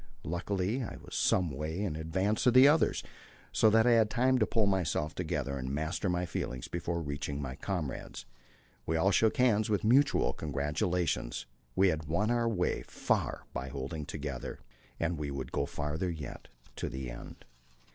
Luckily I was some way in advance of the others, so that I had time to pull myself together and master my feelings before reaching my comrades. We all shook hands, with mutual congratulations; we had won our way far by holding together, and we would go farther yet to the end.